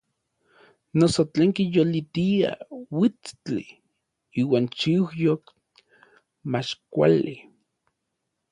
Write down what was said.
Noso tlen kiyolitia uitstli iuan xiuyoj mach kuali.